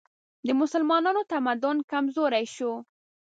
د مسلمانانو تمدن کمزوری شو